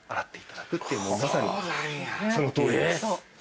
まさにそのとおりです。